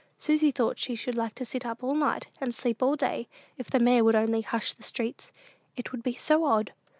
Susy thought she should like to sit up all night, and sleep all day, if the mayor would only hush the streets; it would be so odd!